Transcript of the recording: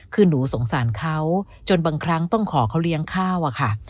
คือหนูสงสารเขาจนบางครั้งต้องขอเขาเลี้ยงข้าวอะค่ะ